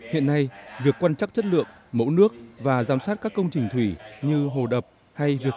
hiện nay việc quan trắc chất lượng mẫu nước và giám sát các công trình thủy như hồ đập hay việc